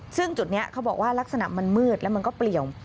ซึ่งจุดนี้เขาบอกว่าลักษณะมันมืดแล้วมันก็เปลี่ยว